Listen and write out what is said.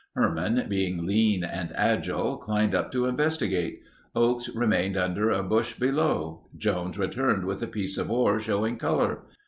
Herman, being lean and agile, climbed up to investigate. Oakes remained under a bush below. Jones returned with a piece of ore showing color.